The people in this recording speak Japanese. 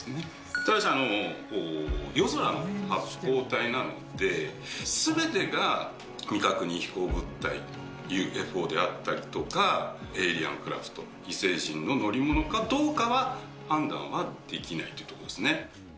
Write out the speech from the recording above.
ただし、夜空の発光体なので、すべてが未確認飛行物体という、ＵＦＯであったり、エイリアンクラフト、異星人の乗り物かどうかは判断はできないというところですね。